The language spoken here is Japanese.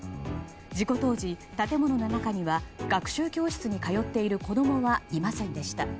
事故当時、建物の中には学習教室に通っている子供はいませんでした。